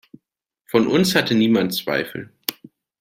Von uns hatte niemand Zweifel.